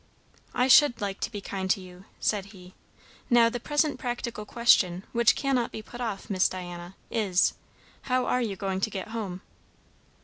"I should like to be kind to you," said he. "Now the present practical question, which cannot be put off, Miss Diana, is how are you going to get home?"